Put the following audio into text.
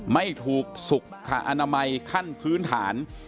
ไม่ถูกสุขอนามัยขั้นพื้นฐาน